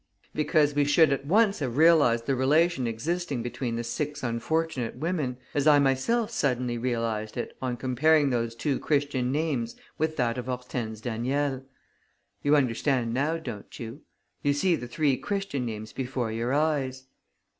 "Because we should at once have realized the relation existing between the six unfortunate women, as I myself suddenly realized it on comparing those two Christian names with that of Hortense Daniel. You understand now, don't you? You see the three Christian names before your eyes...."